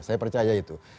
saya percaya itu